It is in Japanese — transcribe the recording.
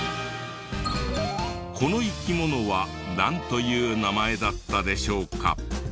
この生き物はなんという名前だったでしょうか？